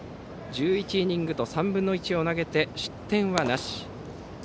１１イニングと３分の１を投げて失点はなし。